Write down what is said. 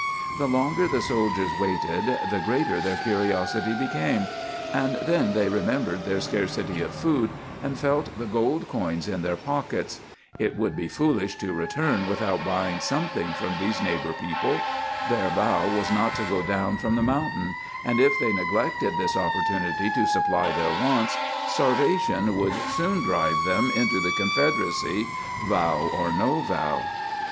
The longer the soldiers waited, the greater their curiosity became, and then they remembered their scarcity of food, and felt the gold coins in their pockets. It would be foolish to return without buying something from these neighbor people. Their vow was not to go down from the mountain; and if they neglected this opportunity to supply their wants, starvation would soon drive them into the Confederacy, vow or no vow.